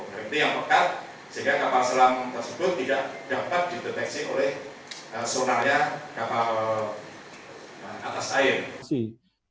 berarti yang pekat sehingga kapal selam tersebut tidak dapat dideteksi oleh sonarnya kapal atas air